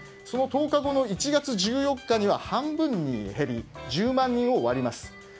その１０日後の１月１４日には半分に減り１０万人を割ります。